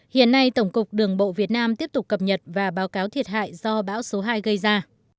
hiện nay tổng cục đường bộ việt nam tiếp tục cập nhật và báo cáo thiệt hại do bão số hai gây ra